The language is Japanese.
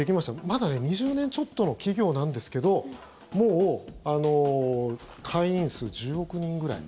まだ２０年ちょっとの企業なんですけどもう会員数、１０億人ぐらい。